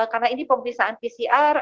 karena ini pemeriksaan pcr